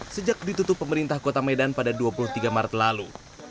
sejak ditutup pemerintah kota medan pada dua puluh tiga maret lalu